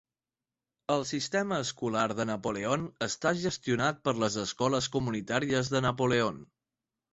El sistema escolar de Napoleon està gestionat per les Escoles Comunitàries de Napoleon.